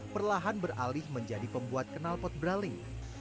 perlahan beralih menjadi pembuat kenalpot braling